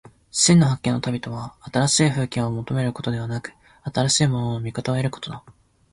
真の発見の旅とは、新しい風景を求めることでなく、新しいものの見方を得ることだ。